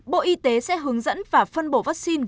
bộ y tế sẽ hướng dẫn và phân bổ vaccine